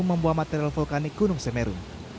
membuang material vulkanik gunung semeru